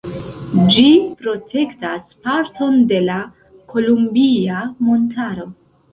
Ĝi protektas parton de la Kolumbia Montaro.